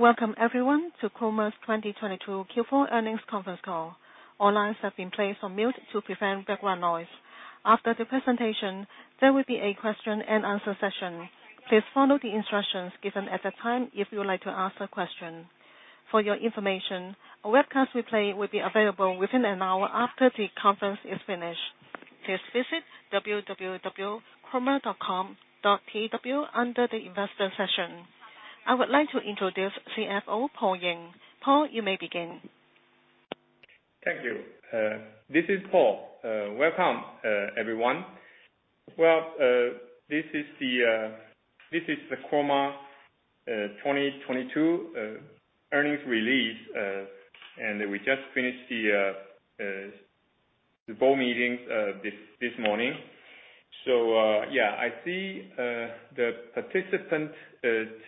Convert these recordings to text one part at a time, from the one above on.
Welcome everyone to Chroma's 2022 Q4 earnings conference call. All lines have been placed on mute to prevent background noise. After the presentation, there will be a question and answer session. Please follow the instructions given at that time if you would like to ask a question. For your information, a webcast replay will be available within an hour after the conference is finished. Please visit www.chroma.com.tw under the investor session. I would like to introduce CFO Paul Ying. Paul, you may begin. Thank you. This is Paul. Welcome everyone. This is the Chroma 2022 earnings release. We just finished the board meetings this morning. I see the participant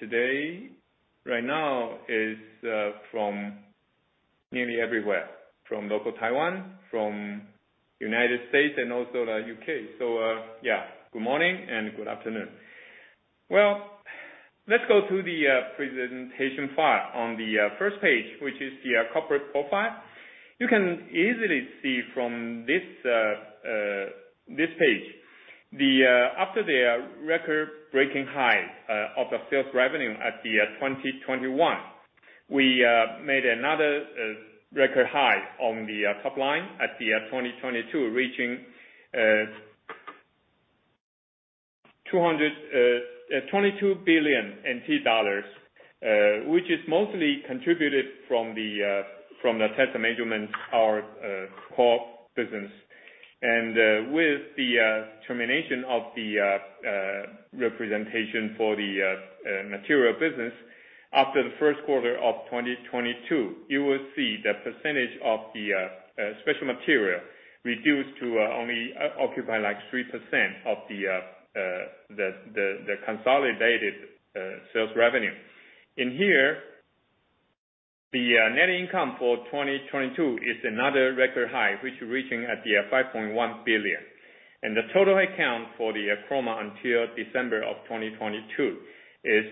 today right now is from nearly everywhere. From local Taiwan, from United States, and also the U.K. Good morning and good afternoon. Let's go to the presentation file. On the first page, which is the corporate profile, you can easily see from this page. After the record-breaking high of the sales revenue at 2021, we made another record high on the top line at 2022 reaching TWD 222 billion. y contributed from the test measurements, our core business. With the termination of the representation for the material business after the first quarter of 2022, you will see the percentage of the special material reduced to only occupy like 3% of the consolidated sales revenue. The net income for 2022 is another record high, reaching at 5.1 billion. The total headcount for Chroma until December of 2022 is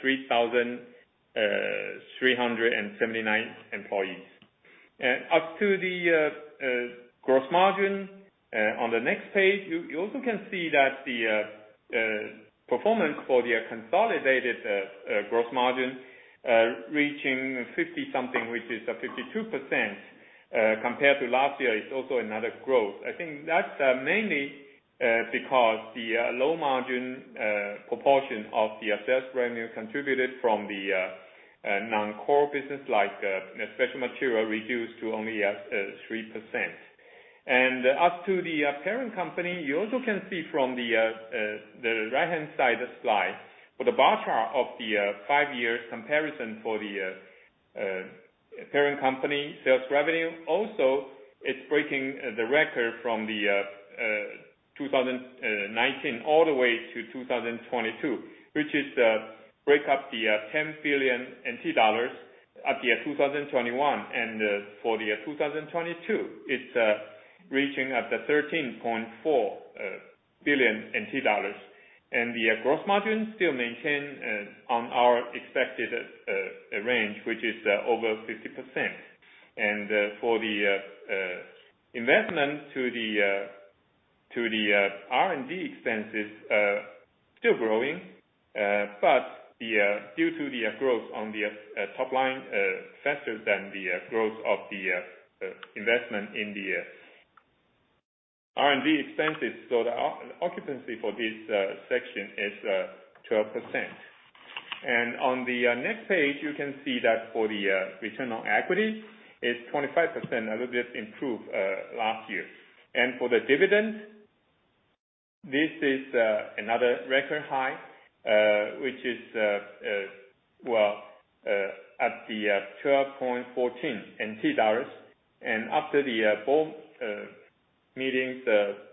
3,379 employees Up to the gross margin on the next page, you also can see that the performance for the consolidated gross margin reaching 50 something, which is 52% compared to last year is also another growth. I think that's mainly because the low margin proportion of the assessed revenue contributed from the non-core business like special material reduced to only 3%. Up to the parent company, you also can see from the right-hand side slide for the bar chart of the 5-year comparison for the parent company sales revenue. It's breaking the record from 2019 all the way to 2022, which is break up the 10 billion NT dollars at 2021. For 2022, it's reaching at the 13.4 billion NT dollars. The gross margin still maintain on our expected range, which is over 50%. For the investment to the R&D expenses, still growing. Due to the growth on the top line, faster than the growth of the investment in the R&D expenses. The o-occupancy for this section is 12%. On the next page, you can see that for the return on equity is 25%, a little bit improved last year. For the dividend, this is another record high, which is, well, at the 12.14 NT dollars. After the board meeting's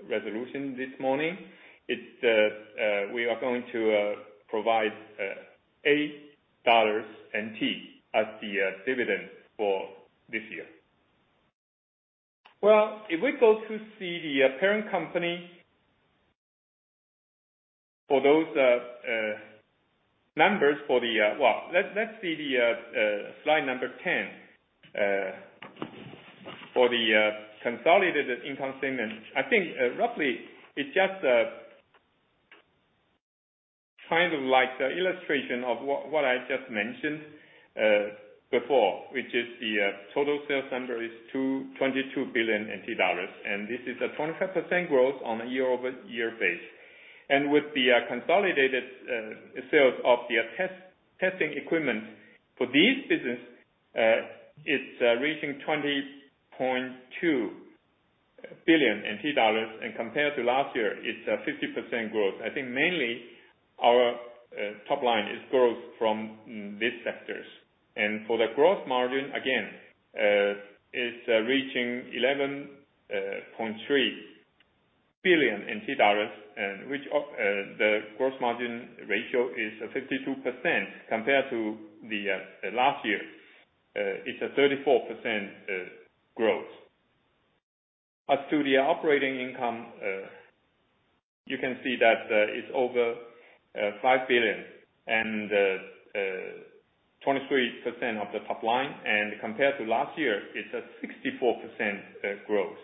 resolution this morning, it's we are going to provide TWD 8 as the dividend for this year. If we go to see the parent company for those numbers for the... let's see the slide number 10. For the consolidated income statement. I think, roughly it's just, kind of like the illustration of what I just mentioned, before, which is the, total sales number is NTD 222 billion. This is a 25% growth on a year-over-year base. With the consolidated sales of the testing equipment, for this business, it's reaching NTD 20.2 billion. Compared to last year, it's a 50% growth. I think mainly our top line is growth from this sectors. For the growth margin, again, it's reaching 11.3 billion NT dollars, and which of the gross margin ratio is 52%. Compared to the last year, it's a 34% growth. As to the operating income, you can see that it's over 5 billion and 23% of the top line. Compared to last year, it's a 64% growth.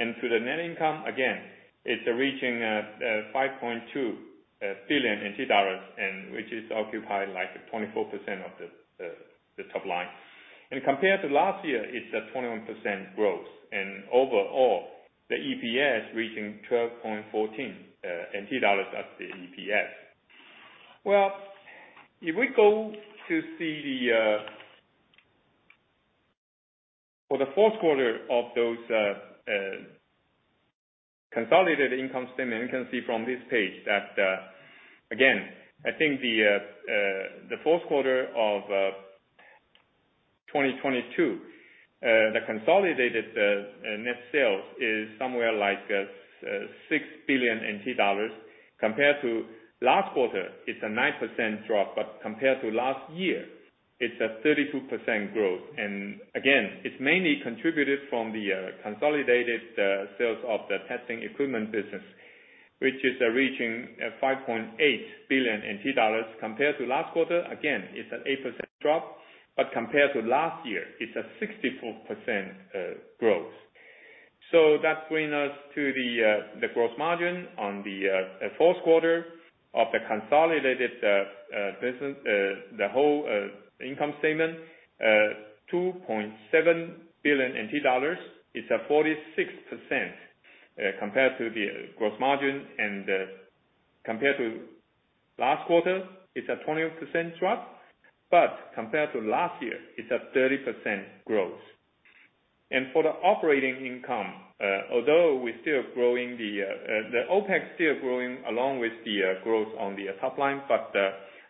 To the net income, again, it's reaching 5.2 billion NT dollars and which is occupied like 24% of the top line. Compared to last year, it's a 21% growth. Overall, the EPS reaching 12.14 NT dollars at the EPS. Well, if we go to see the... For the fourth quarter of those consolidated income statement, you can see from this page that again, I think the fourth quarter of 2022, the consolidated net sales is somewhere like 6 billion NT dollars. Compared to last quarter, it's a 9% drop, but compared to last year, it's a 32% growth. Again, it's mainly contributed from the consolidated sales of the testing equipment business, which is reaching 5.8 billion NT dollars compared to last quarter. Again, it's an 8% drop, but compared to last year it's a 64% growth. That bring us to the gross margin on the fourth quarter of the consolidated business, the whole income statement, 2.7 billion NT dollars. It's a 46% compared to the growth margin, compared to last quarter, it's a 20% drop. Compared to last year, it's a 30% growth. For the operating income, although we're still growing the OpEx still growing along with the growth on the top line,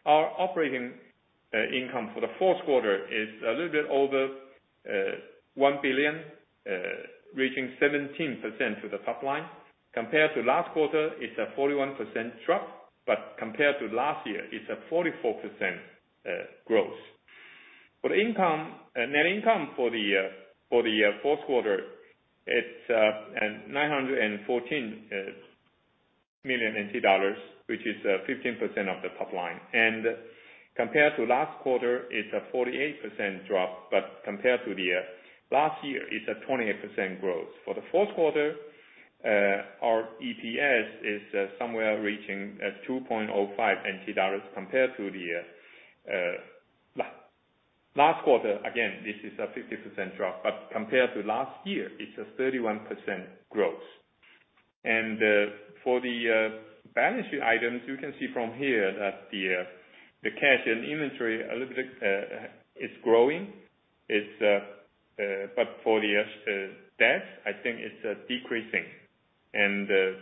our operating income for the fourth quarter is a little bit over 1 billion, reaching 17% to the top line. Compared to last quarter, it's a 41% drop, compared to last year it's a 44% growth. For the net income for the fourth quarter, it's 914 million NT dollars, which is 15% of the top line. Compared to last quarter, it's a 48% drop, but compared to last year, it's a 28% growth. For the fourth quarter, our EPS is somewhere reaching at 2.05 NT dollars compared to the last quarter. Again, this is a 50% drop, but compared to last year it's a 31% growth. For the balance sheet items, you can see from here that the cash and inventory a little bit is growing. It's for the debt, I think it's decreasing.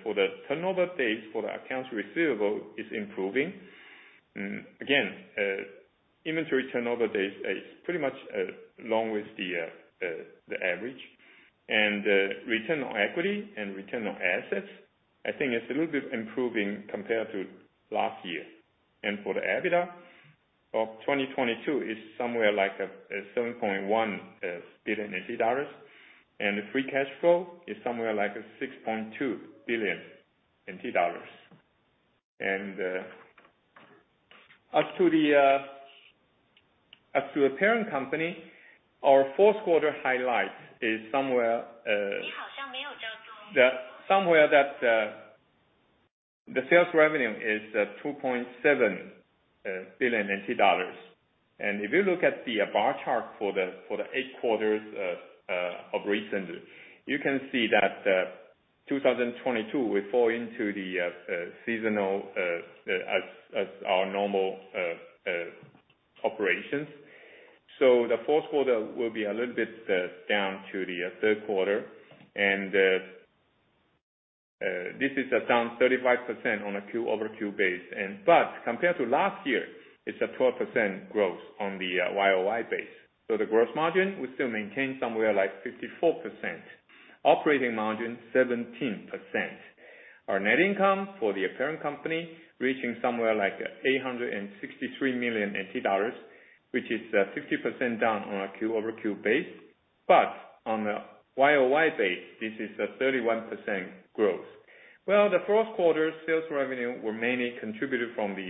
For the turnover days for the accounts receivable is improving. Again, inventory turnover days is pretty much along with the average. Return on equity and return on assets, I think it's a little bit improving compared to last year. For the EBITDA of 2022 is somewhere like NTD 7.1 billion. The free cash flow is somewhere like NTD 6.2 billion. Up to the parent company, our fourth quarter highlights is somewhere that somewhere that the sales revenue is NTD 2.7 billion. If you look at the bar chart for the eight quarters of recent, you can see that 2022 will fall into the seasonal as our normal operations. The fourth quarter will be a little bit down to the third quarter. This is down 35% on a Q-over-Q basis. Compared to last year, it's a 12% growth on the YOY basis. The growth margin, we still maintain somewhere like 54%. Operating margin 17%. Our net income for the parent company reaching somewhere like 863 million NT dollars, which is 50% down on a Q-over-Q basis. On a YOY basis, this is a 31% growth. The fourth quarter sales revenue were mainly contributed from the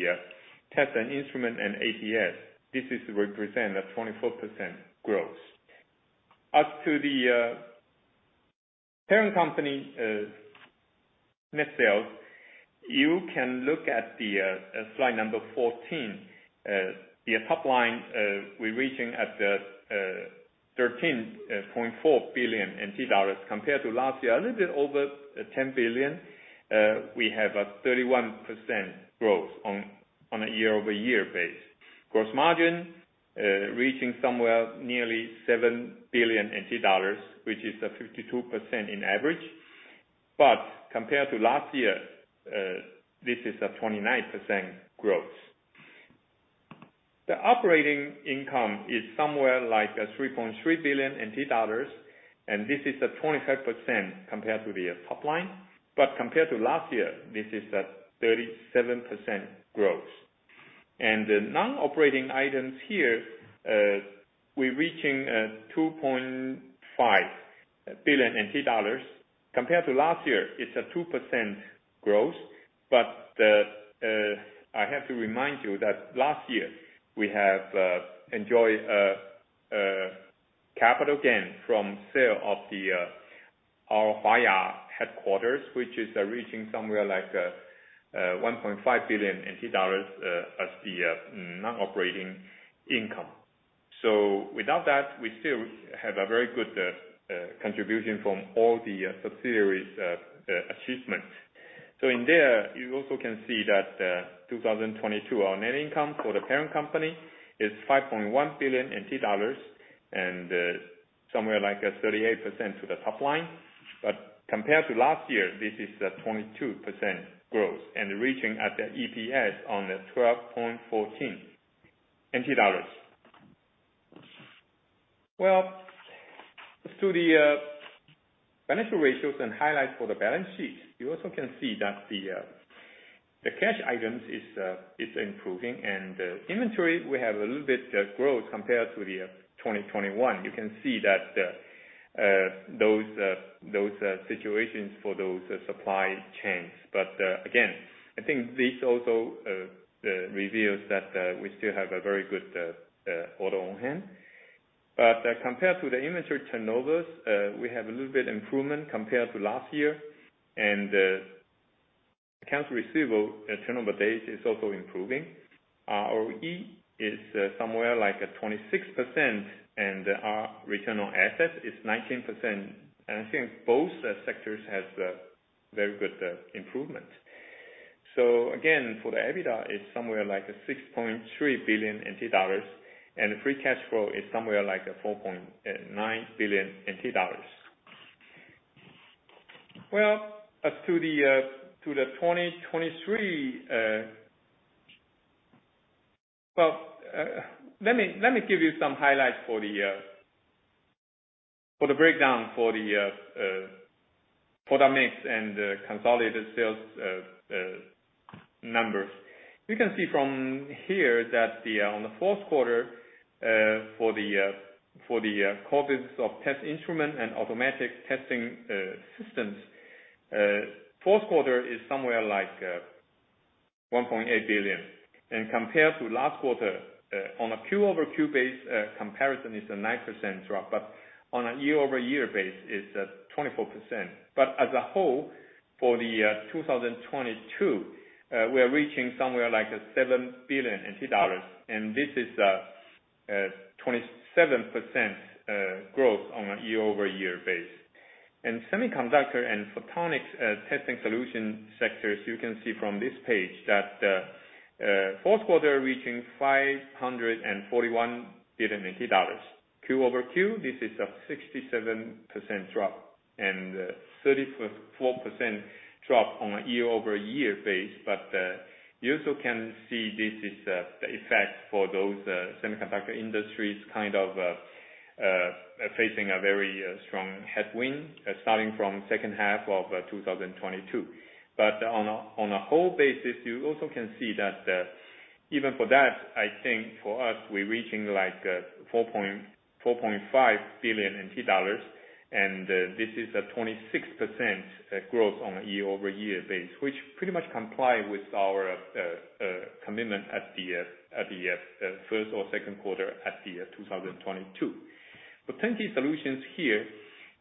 test and instrument and ATS. This is represent a 24% growth. As to the parent company net sales, you can look at the slide number 14. The top line, we're reaching at the, 13.4 billion NT dollars compared to last year, a little bit over 10 billion. We have a 31% growth on a year-over-year base. Gross margin, reaching somewhere nearly 7 billion NT dollars, which is a 52% in average. Compared to last year, this is a 29% growth. The operating income is somewhere like, 3.3 billion NT dollars, and this is a 25% compared to the top line. Compared to last year, this is a 37% growth. The non-operating items here, we're reaching, 2.5 billion NT dollars. Compared to last year, it's a 2% growth. I have to remind you that last year we have enjoyed capital gain from sale of the our Hwa-Ya headquarters, which is reaching somewhere like 1.5 billion NT dollars as the non-operating income. Without that, we still have a very good contribution from all the subsidiaries achievements. In there, you also can see that 2022, our net income for the parent company is 5.1 billion NT dollars and somewhere like 38% to the top line. Compared to last year, this is a 22% growth and reaching at the EPS on the TWD 12.14. As to the financial ratios and highlights for the balance sheet. You also can see that the cash items is improving and the inventory, we have a little bit growth compared to the 2021. You can see that those situations for those supply chains. Again, I think this also reveals that we still have a very good order on hand. Compared to the inventory turnovers, we have a little bit improvement compared to last year. Accounts receivable turnover days is also improving. Our ROE is somewhere like at 26%, and our return on assets is 19%. I think both sectors has a very good improvement. Again, for the EBITDA, it's somewhere like 6.3 billion NT dollars, and free cash flow is somewhere like 4.9 billion NT dollars. Well, as to the 2023. Well, let me give you some highlights for the breakdown for the product mix and the consolidated sales numbers. You can see from here that on the fourth quarter, for the core business of test instrument and automatic testing systems, fourth quarter is somewhere like 1.8 billion. Compared to last quarter, on a quarter-over-quarter base, comparison is a 9% drop, but on a year-over-year base is at 24%. As a whole, for the 2022, we are reaching somewhere like 7 billion NT dollars, and this is 27% growth on a year-over-year base. In semiconductor and photonics, testing solution sectors, you can see from this page that fourth quarter reaching NTD 541 billion. Quarter-over-quarter, this is a 67% drop and 34% drop on a year-over-year base. You also can see this is the effect for those semiconductor industries, kind of facing a very strong headwind starting from second half of 2022. On a whole basis, you also can see that even for that, I think for us, we're reaching like NTD 4.5 billion, and this is a 26% growth on a year-over-year base, which pretty much comply with our commitment at the 1st or 2nd quarter at 2022. For Turnkey Solutions here,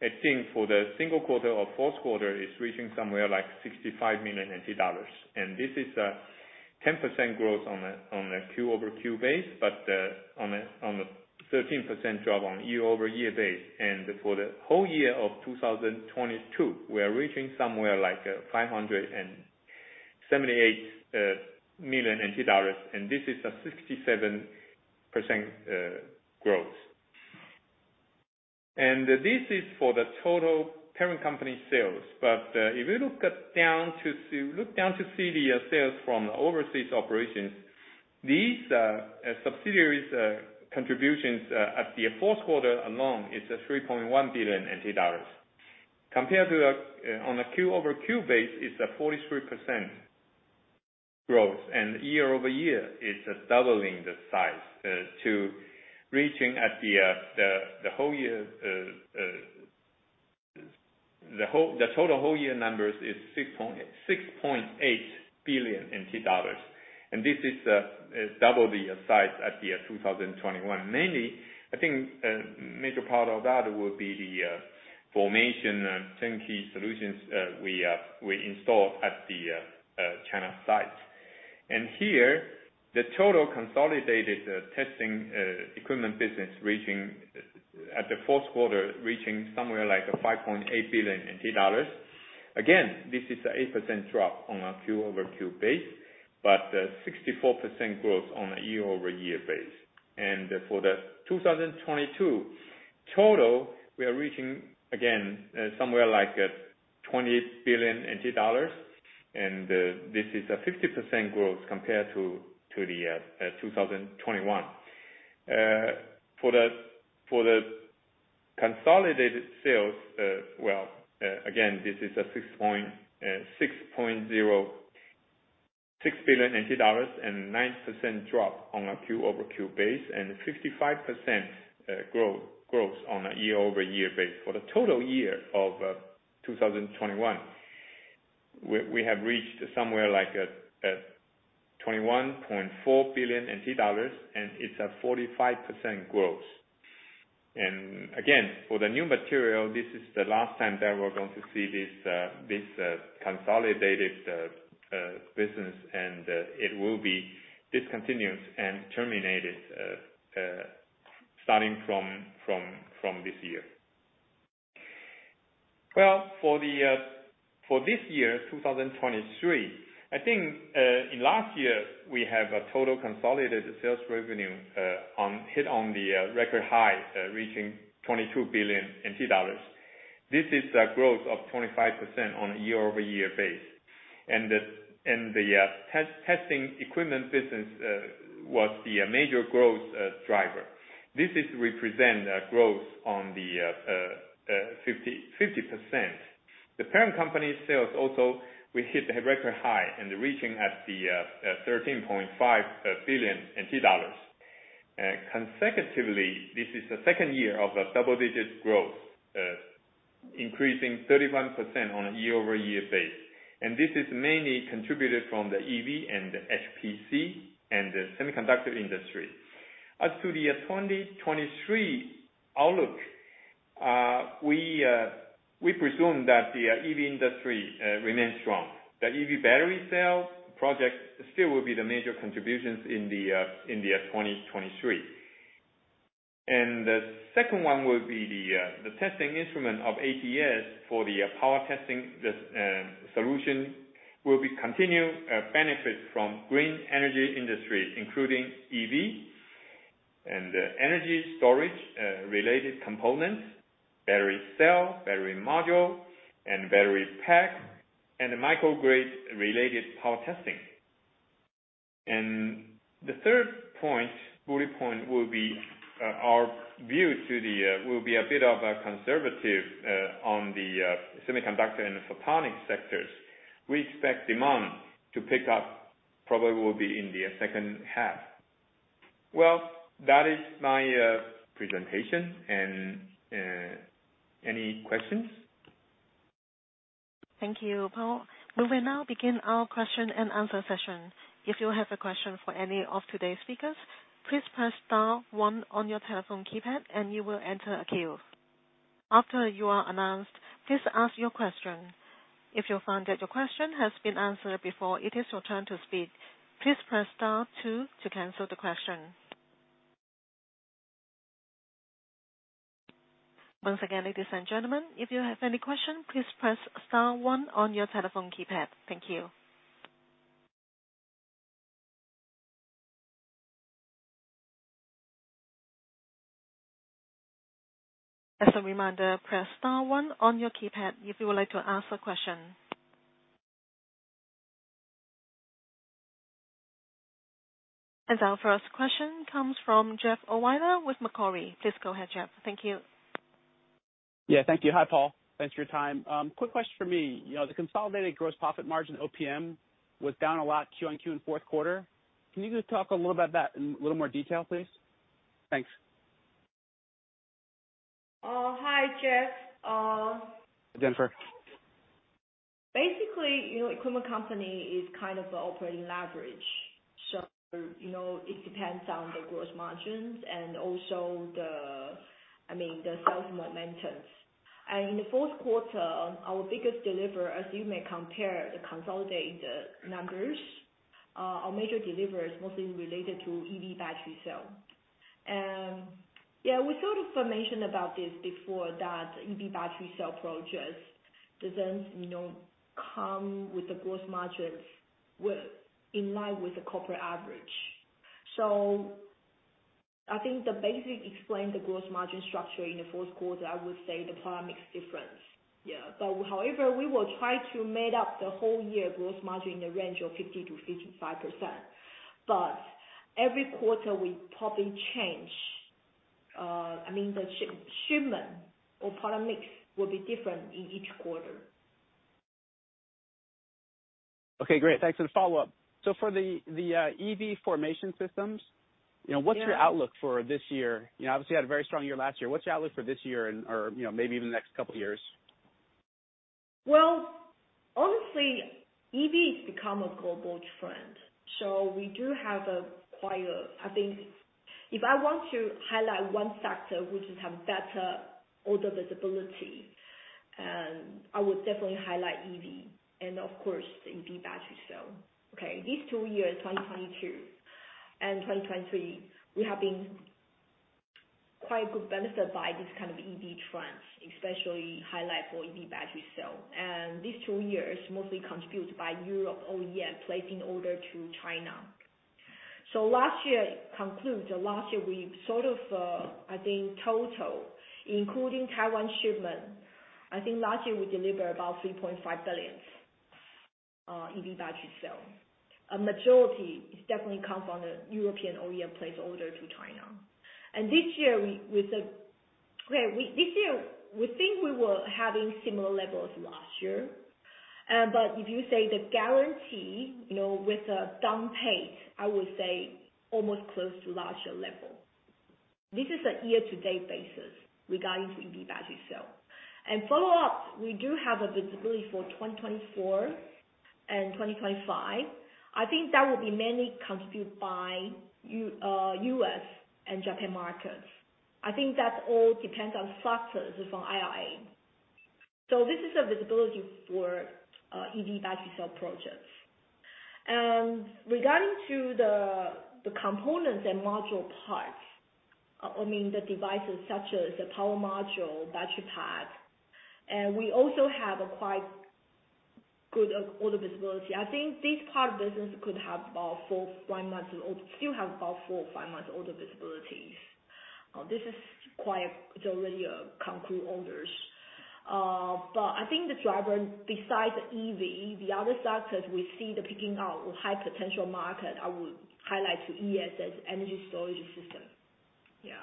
I think for the single quarter or fourth quarter is reaching somewhere like 65 million NT dollars, and this is a 10% growth on a quarter-over-quarter base, but a 13% drop on year-over-year base. For the whole year of 2022, we are reaching somewhere like 578 million NT dollars, and this is a 67% growth. This is for the total parent company sales. If you look down to see the sales from overseas operations, these subsidiaries contributions at the fourth quarter alone is 3.1 billion NT dollars. Compared to the on a Q-over-Q base is a 43% growth, and year-over-year is doubling the size to reaching at the total whole year numbers is NTD 6.8 billion. This is double the size at the 2021. Mainly, I think, major part of that will be the formation of Turnkey Solutions we installed at the China site. Here, the total consolidated testing equipment business reaching at the fourth quarter, reaching somewhere like NTD 5.8 billion. Again, this is an 8% drop on a Q-over-Q base, but 64% growth on a year-over-year base. For the 2022 total, we are reaching again somewhere like NTD 20 billion. This is a 50% growth compared to the 2021. For the Consolidated sales, well, again, this is NTD 6.06 billion and 9% drop on a quarter-over-quarter base, and 55% growth on a year-over-year base. For the total year of 2021, we have reached somewhere like NTD 21.4 billion, and it's a 45% growth. Again, for the new material, this is the last time that we're going to see this consolidated business and it will be discontinued and terminated starting from this year. Well, for this year, 2023, I think, in last year, we have a total consolidated sales revenue, hit on the record high, reaching 22 billion NT dollars. This is a growth of 25% on a year-over-year base. The testing equipment business was the major growth driver. This is represent a growth on the 50%. The parent company sales also, we hit the record high in reaching at the 13.5 billion NT dollars. Consecutively, this is the second year of a double-digit growth, increasing 31% on a year-over-year base. This is mainly contributed from the EV and the HPC and the semiconductor industry. As to the 2023 outlook, we presume that the EV industry remains strong. The EV Battery Cell project still will be the major contributions in the 2023. The second one will be the testing instrument of ATS for the power testing this solution will be continue benefit from green energy industries, including EV and the energy storage related components, Battery Cell, Battery Module, and Battery Pack, and the Microgrid related power testing. The third point, bullet point will be our view to the will be a bit of a conservative on the semiconductor and photonics sectors. We expect demand to pick up probably will be in the second half. Well, that is my presentation and any questions? Thank you, Paul. We will now begin our question and answer session. If you have a question for any of today's speakers, please press star one on your telephone keypad and you will enter a queue. After you are announced, please ask your question. If you find that your question has been answered before it is your turn to speak, please press star two to cancel the question. Once again, ladies and gentlemen, if you have any question, please press star one on your telephone keypad. Thank you. As a reminder, press star one on your keypad if you would like to ask a question. Our first question comes from Jeff Ohlweiler with Macquarie. Please go ahead, Jeff. Thank you. Yeah, thank you. Hi, Paul. Thanks for your time. Quick question for me. You know, the consolidated gross profit margin OPM was down a lot Q on Q in fourth quarter. Can you just talk a little about that in a little more detail, please? Thanks. Hi, Jeff. Jennifer. Basically, you know, equipment company is kind of operating leverage. You know, it depends on the gross margins and also the, I mean, the sales momentums. In the fourth quarter, our biggest deliverer, as you may compare the consolidated numbers, our major deliver is mostly related to EV Battery Cell. Yeah, we sort of mentioned about this before, that EV Battery Cell projects doesn't, you know, come with the gross margins with, in line with the corporate average. I think the basic explain the gross margin structure in the fourth quarter, I would say the product mix difference. Yeah. However, we will try to made up the whole year gross margin in the range of 50%-55%. Every quarter we probably change, I mean, the shipment or product mix will be different in each quarter. Okay, great. Thanks. Follow-up. For the EV formation systems, you know- Yeah. What's your outlook for this year? You know, obviously you had a very strong year last year. What's your outlook for this year and, or, you know, maybe even the next couple years? Well, honestly, EV has become a global trend, so we do have a quite... I think if I want to highlight one factor which is have better order visibility, I would definitely highlight EV and of course the EV Battery Cell. Okay. These two years, 2022 and 2023, we have been quite good benefited by this kind of EV trends, especially highlight for EV Battery Cell. These two years mostly contributed by Europe OEM placing order to China. Last year concludes or last year we sort of, I think total including Taiwan shipment, I think last year we delivered about 3.5 billion. EV Battery Cell. A majority is definitely come from the European OEM place order to China. This year, we think we were having similar levels last year. If you say the guarantee, you know, with the down pay, I would say almost close to larger level. This is a year-to-date basis regarding to EV Battery Cell. Follow-up, we do have a visibility for 2024 and 2025. I think that will be mainly contributed by U.S. and Japan markets. I think that all depends on factors from IRA. This is a visibility for EV Battery Cell projects. Regarding to the components and module parts, I mean, the devices such as the Power Module, Battery Pack, and we also have a quite good order visibility. I think this part of business could have about 4-5 months or still have about 4-5 months order visibilities. This is quite, it's already concrete orders. I think the driver besides EV, the other sectors we see the picking out high potential market, I would highlight to ESS, Energy Storage System. Yeah.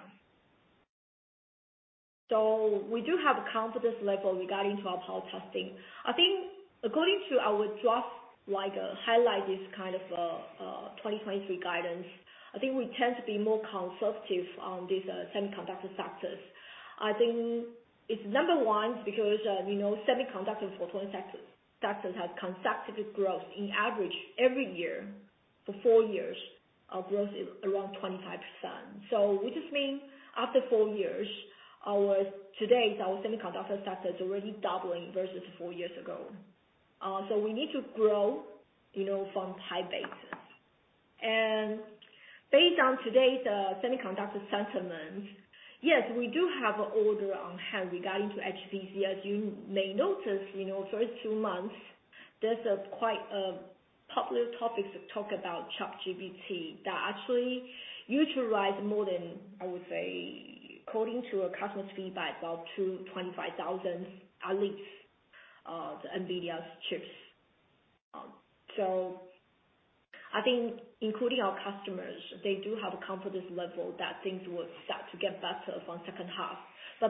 We do have confidence level regarding to our power testing. I think according to our draft, like, highlight this kind of 2023 guidance, I think we tend to be more conservative on this semiconductor sectors. I think it's number 1 because, you know, semiconductor performance sectors had consecutive growth in average every year for 4 years of growth around 25%. Which just mean after 4 years, today, our semiconductor sector is already doubling versus 4 years ago. We need to grow, you know, from high basis. Based on today's semiconductor sentiment, yes, we do have order on hand regarding to HPC. As you may notice, you know, first two months, there's a quite popular topic to talk about ChatGPT that actually utilize more than, I would say, according to our customers' feedback, about 225,000 at least, NVIDIA's chips. I think including our customers, they do have a confidence level that things will start to get better from second half.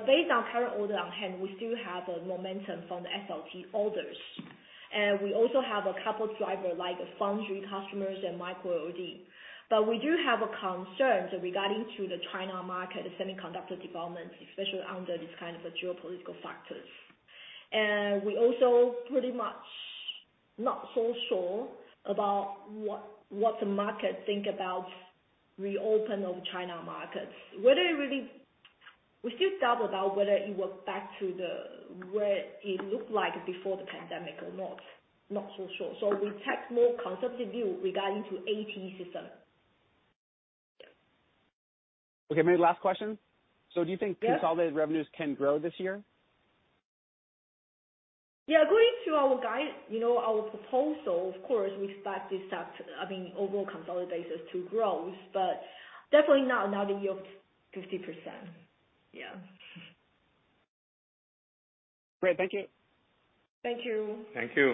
Based on current order on hand, we still have a momentum from the SLT orders. We also have a couple driver like Foundry customers and Micro LED. We do have a concern regarding to the China market, the semiconductor development, especially under this kind of geopolitical factors. We also pretty much not so sure about what the market think about reopen of China markets. We still doubt about whether it will back to what it looked like before the pandemic or not. Not so sure. We take more conservative view regarding to ATE system. Okay. Maybe last question. Yeah. Do you think consolidated revenues can grow this year? Yeah. According to our guide, you know, our proposal, of course, we expect this sector, I mean, overall consolidated as to grow, but definitely not another year of 50%. Yeah. Great. Thank you. Thank you. Thank you.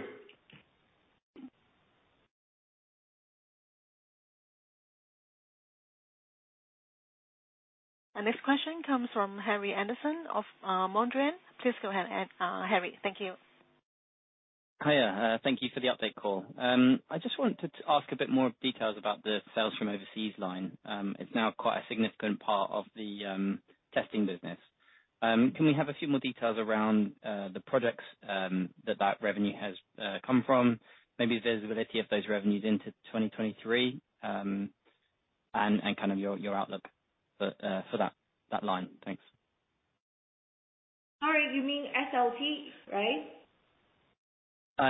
Our next question comes from Harry Anderson of Mondrian. Please go ahead, Harry. Thank you. Hiya. Thank you for the update call. I just wanted to ask a bit more details about the sales from overseas line. It's now quite a significant part of the testing business. Can we have a few more details around the products that that revenue has come from? Maybe visibility of those revenues into 2023, and kind of your outlook for that line. Thanks. Sorry, you mean SLT, right?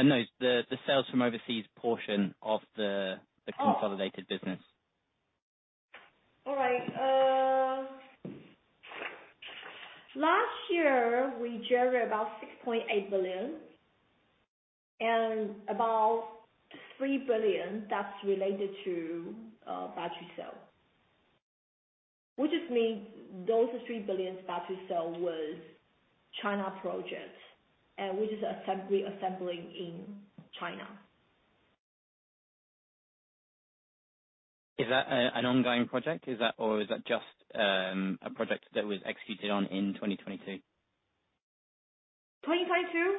no. The sales from overseas portion. Oh. the consolidated business. All right. last year, we generated about 6.8 billion and about 3 billion that's related to Battery Cell. Which just mean those 3 billion Battery Cell was China projects, and which is assembling in China. Is that an ongoing project? Or is that just a project that was executed on in 2022? 2022?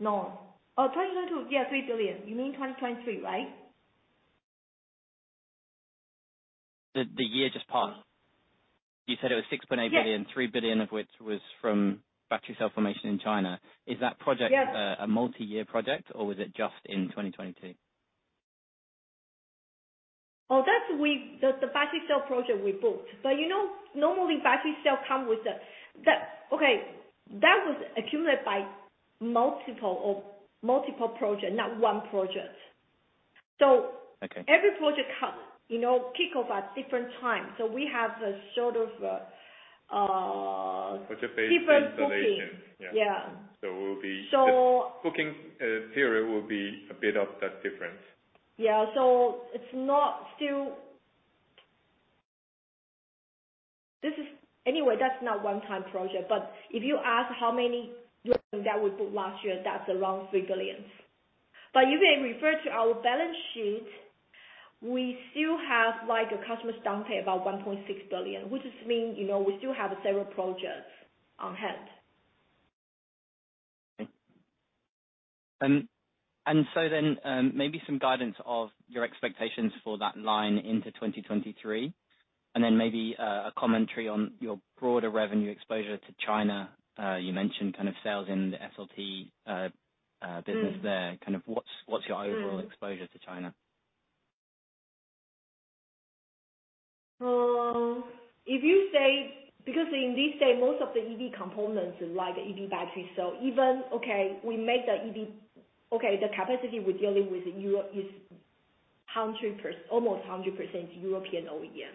No. 2022, yeah, 3 billion. You mean 2023, right? The year just passed. You said it was 6.8 billion. Yes. 3 billion of which was from Battery Cell formation in China. Is that project-? Yes. a multi-year project or was it just in 2022? The Battery Cell project we booked. You know, normally Battery Cell come with the. Okay. That was accumulated by multiple of multiple projects, not one project. Okay. Every project come, you know, kick off at different time. We have a sort of. Project-based installation. Different booking. Yeah. Yeah. will be So- -booking, period will be a bit of that difference. Yeah. Anyway, that's not one-time project. If you ask how many that we booked last year, that's around 3 billion. If you refer to our balance sheet, we still have like a customer deposits, about 1.6 billion. Which just mean, you know, we still have several projects on hand. Okay. Maybe some guidance of your expectations for that line into 2023, and then maybe, a commentary on your broader revenue exposure to China. You mentioned kind of sales in the SLT, Mm. business there. Kind of what's your overall exposure to China? Because in this day, most of the EV components, like EV Battery Cell, the capacity we're dealing with in Europe is Almost 100% European OEM.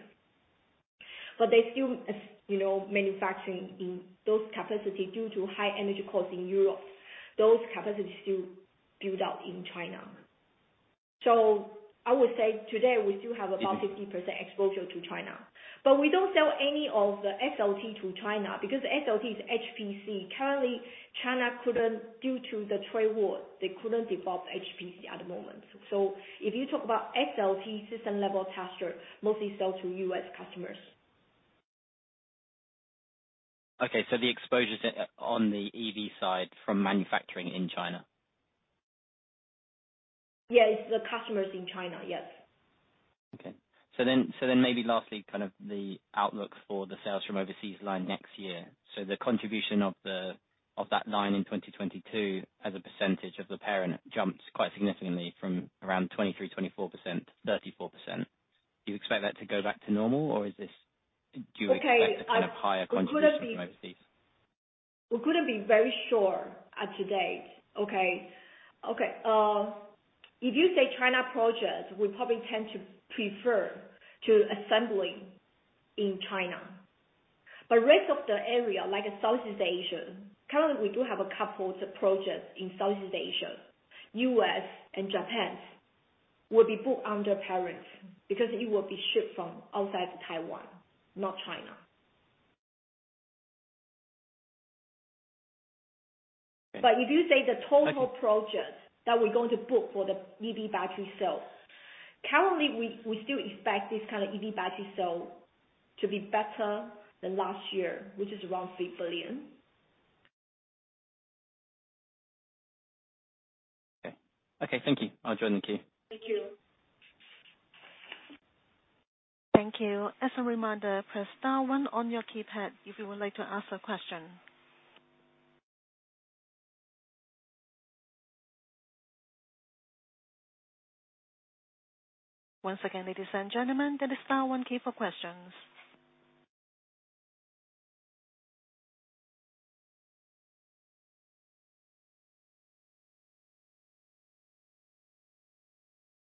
They still, as, you know, manufacturing in those capacity due to high energy costs in Europe, those capacities still build out in China. I would say today we do have. Mm-hmm. 50% exposure to China. We don't sell any of the SLT to China because SLT is HPC. Due to the trade war, they couldn't develop HPC at the moment. If you talk about SLT System Level Tester, mostly sell to U.S. customers. Okay, the exposure to... On the EV side from manufacturing in China? Yes. The customers in China, yes. Okay. Then maybe lastly, kind of the outlook for the sales from overseas line next year. The contribution of that line in 2022 as a percentage of the parent jumped quite significantly from around 23%, 24% to 34%. Do you expect that to go back to normal or is this? Okay, we couldn't be- due to kind of higher contribution from overseas? We couldn't be very sure at to date, okay. If you say China projects, we probably tend to prefer to assembling in China. Rest of the area, like Southeast Asia, currently we do have a couple of the projects in Southeast Asia, U.S., and Japan, will be booked under parent because it will be shipped from outside Taiwan, not China. Okay. if you say the Okay. projects that we're going to book for the EV battery cell, currently we still expect this kind of EV battery cell to be better than last year, which is around 3 billion. Okay. Okay, thank you. I'll join the queue. Thank you. Thank you. As a reminder, press star one on your keypad if you would like to ask a question. Once again, ladies and gentlemen, that is star 1 key for questions.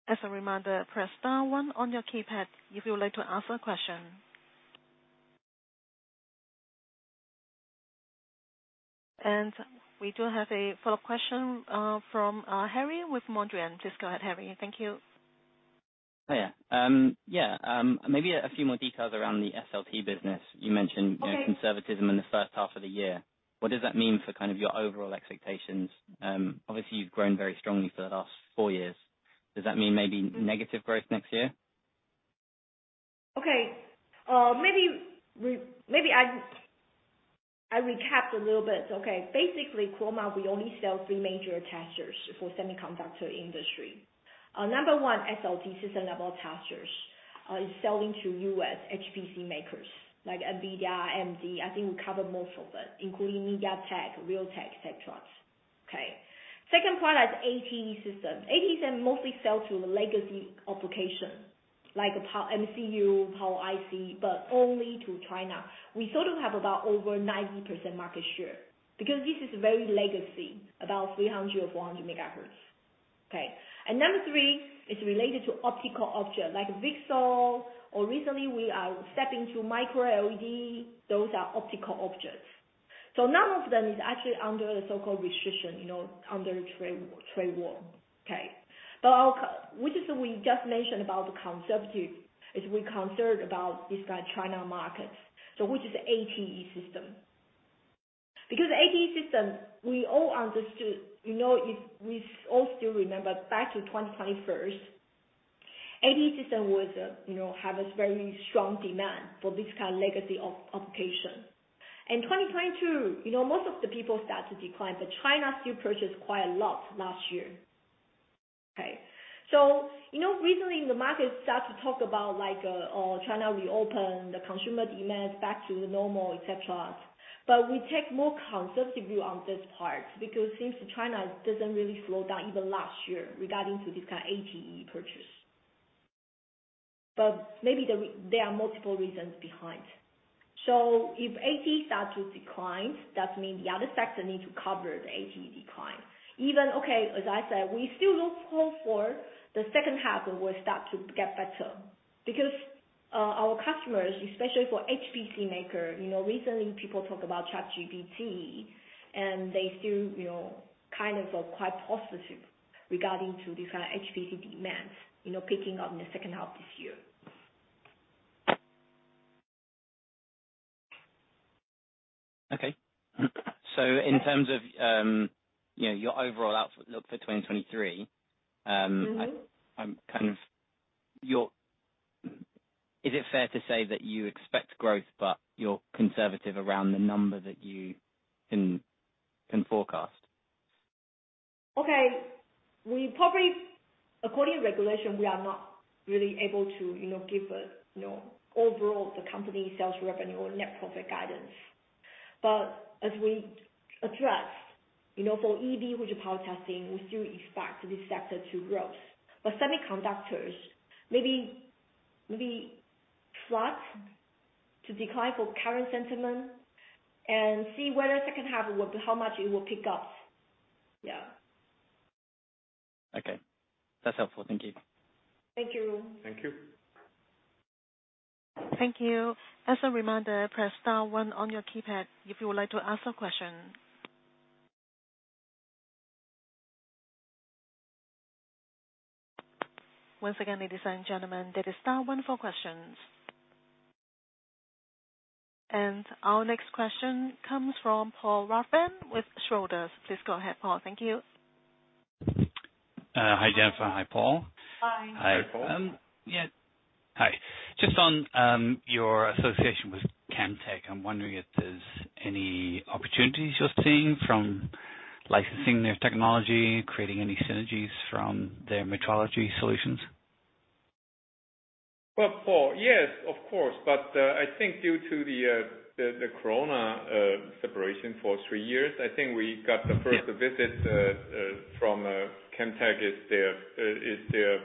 As a reminder, press star one on your keypad if you would like to ask a question. We do have a follow-up question from Harry with Mondrian. Just go ahead, Harry. Thank you. Oh, yeah. Yeah. Maybe a few more details around the SLT business. Okay. You know, conservatism in the first half of the year. What does that mean for kind of your overall expectations? Obviously you've grown very strongly for the last four years. Does that mean maybe negative growth next year? Maybe I recap a little bit. Okay. Basically, Chroma, we only sell three major testers for semiconductor industry. Number one, SLT System Level Testers, is selling to U.S. HPC makers, like NVIDIA, AMD. I think we cover most of it, including MediaTek, Realtek, et cetera. Second product, ATE system. ATE system mostly sell to the legacy application like power MCU, Power IC, but only to China. We sort of have about over 90% market share, because this is very legacy, about 300 MHz or 40 MHz Number three is related to optical object like VCSEL or recently we are stepping to Micro LED. Those are optical objects. None of them is actually under the so-called restriction, you know, under trade war. Okay. Our which is we just mentioned about the conservative, is we're concerned about this kind of China market. Which is ATE system. ATE system, we all understood, you know, if we all still remember back to 2021, ATE system was, you know, have a very strong demand for this kind of legacy app, application. In 2022, you know, most of the people start to decline, China still purchased quite a lot last year. Okay. You know, recently the market start to talk about like, China reopen, the consumer demand back to the normal, et cetera. We take more conservative view on this part because since China doesn't really slow down even last year regarding to this kind of ATE purchase. Maybe there are multiple reasons behind. If ATE starts to decline, that means the other sector need to cover the ATE decline. Even okay, as I said, we still look hope for the second half will start to get better. Because our customers, especially for HPC maker, you know, recently people talk about ChatGPT, and they still, you know, kind of are quite positive. Regarding to the final HVD demands, you know, picking up in the second half this year. Okay. In terms of, yeah, your overall outlook for 2023, Mm-hmm. I'm kind of. Is it fair to say that you expect growth but you're conservative around the number that you can forecast? Okay. According to regulation, we are not really able to, you know, give a, you know, overall the company sales revenue or net profit guidance. As we address, you know, for EV, which is power testing, we still expect this sector to grow. Semiconductors, maybe the flat to decline for current sentiment and see whether second half will, how much it will pick up. Yeah. Okay. That's helpful. Thank you. Thank you. Thank you. Thank you. As a reminder, press star one on your keypad if you would like to ask a question. Once again, ladies and gentlemen, that is star one for questions. Our next question comes from Paul Rathband with Schroders. Please go ahead, Paul. Thank you. Hi, Jennifer. Hi, Paul. Hi. Hi, Paul. Yeah. Hi. Just on your association with Camtek, I'm wondering if there's any opportunities you're seeing from licensing their technology, creating any synergies from their metrology solutions? Paul, yes, of course. I think due to the corona, separation for 3 years, I think we got. Yeah. Visit, from Camtek is their, is their,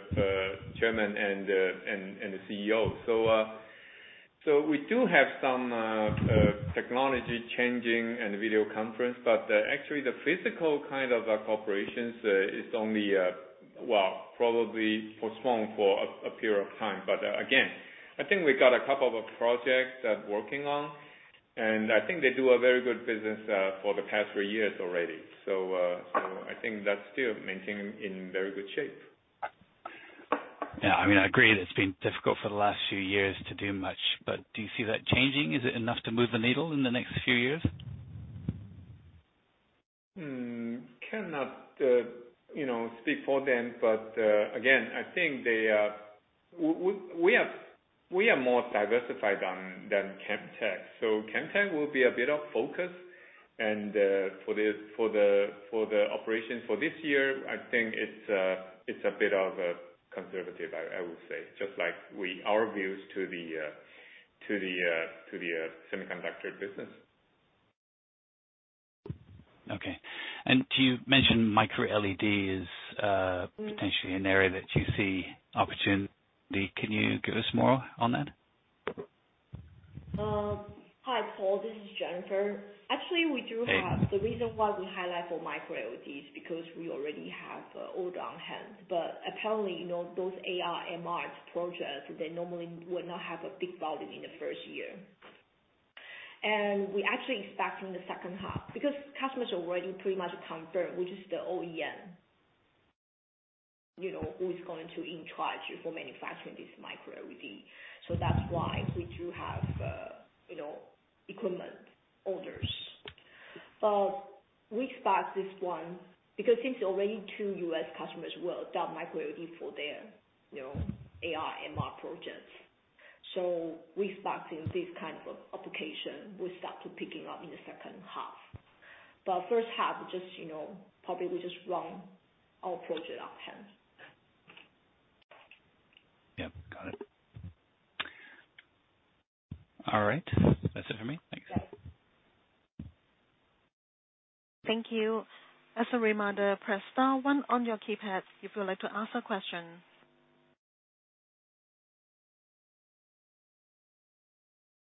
chairman and the CEO. We do have some, technology changing and video conference but, actually the physical kind of, cooperations, is only, well, probably postponed for a period of time. Again, I think we got a couple of projects that working on, and I think they do a very good business, for the past three years already. I think that's still maintaining in very good shape. Yeah. I mean, I agree that it's been difficult for the last few years to do much, do you see that changing? Is it enough to move the needle in the next few years? Cannot, you know, speak for them. Again, I think they... We are more diversified than Camtek. Camtek will be a bit of focus and for the operations for this year, I think it's a bit of a conservative, I would say, just like our views to the semiconductor business. Okay. You mentioned Micro LED is. Mm. potentially an area that you see opportunity. Can you give us more on that? Hi, Paul. This is Jennifer. Actually, we do have- Hey. The reason why we highlight for Micro LED is because we already have order on hand. Apparently, you know, those AI MR projects, they normally would not have a big volume in the first year. We're actually expecting the second half because customers are already pretty much confirmed, which is the OEM, you know, who is going to in charge for manufacturing this Micro LED. That's why we do have, you know, equipment orders. We expect this one because since already 2 U.S. customers will adopt Micro LED for their, you know, AI MR projects. We're expecting this kind of application will start to picking up in the second half. First half, just, you know, probably we just run our project on hand. Yeah. Got it. All right. That's it for me. Thanks. Thank you. As a reminder, press star one on your keypad if you would like to ask a question.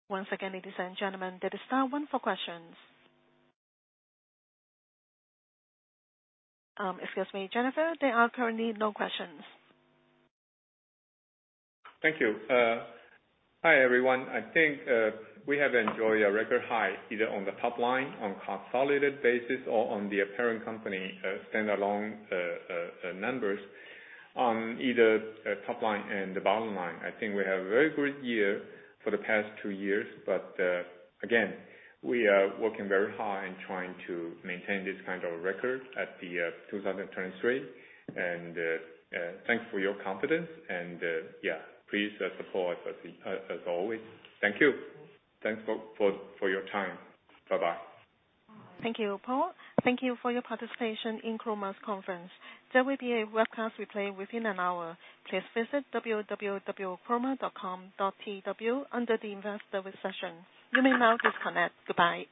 Once again, ladies and gentlemen, that is star one for questions. Excuse me, Jennifer, there are currently no questions. Thank you. Hi, everyone. I think we have enjoyed a record high either on the top line, on consolidated basis or on the apparent company, standalone numbers on either top line and the bottom line. I think we have a very good year for the past two years. Again, we are working very hard in trying to maintain this kind of record at the 2023. Thanks for your confidence and yeah, please support as always. Thank you. Thanks for your time. Bye-bye. Thank you, Paul. Thank you for your participation in Chroma's conference. There will be a webcast replay within an hour. Please visit www.chroma.com.tw under the investor session. You may now disconnect. Goodbye.